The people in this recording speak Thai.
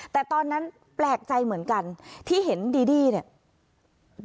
แต่ตอนนั้นแปลกใจเหมือนกันที่เห็นดีดี้เนี่ย